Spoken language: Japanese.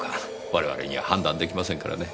我々には判断できませんからね。